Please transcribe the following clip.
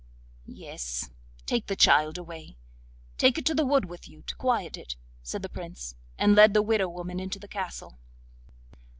'Yes, take the child away, take it to the wood with you to quiet it,' said the Prince, and led the widow woman into the castle.